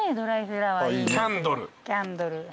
キャンドル。